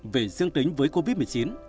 vì dương tính với covid một mươi chín